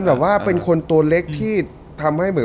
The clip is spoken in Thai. ประมาณเป็นคนตัวเล็กที่ทำให้